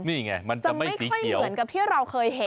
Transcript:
นี่ไงมันจะไม่สีเขียวเหมือนกับที่เราเคยเห็น